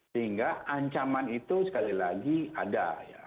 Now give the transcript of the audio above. sehingga ancaman itu sekali lagi ada